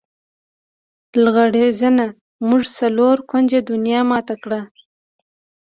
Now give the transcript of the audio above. لغړزنیه! موږ څلور کونجه دنیا ماته کړه.